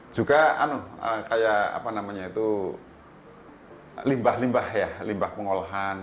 juga kayak apa namanya itu limbah limbah ya limbah pengolahan